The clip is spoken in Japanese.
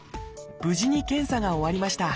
無事に検査が終わりました。